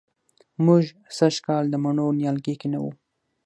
موږ سږ کال د مڼو نیالګي کېنوو